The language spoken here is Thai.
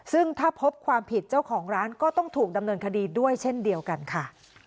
ซึ่งถ้าพบความผิดเจ้าของร้านก็ต้องถูกดำเนินคดีด้วยเช่นเดียวกันค่ะ